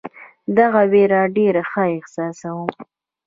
دغه وېره ډېر ښه احساسوم.